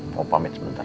mau pamit sebentar